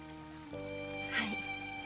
はい。